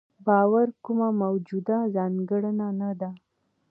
باور کومه موجوده ځانګړنه نه ده.